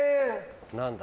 何だ？